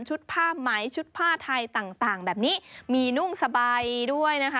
ผ้าไหมชุดผ้าไทยต่างแบบนี้มีนุ่งสบายด้วยนะคะ